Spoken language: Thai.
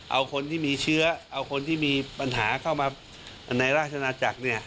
เอาคนที่มีเชื้อเอาคนที่มีปัญหาเข้ามาในราชนาจักร